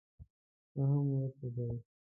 فهم ورته دی.